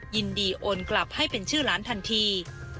ยินดีโอนกลับให้เป็นชื่อหลานทันที